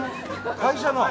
会社の。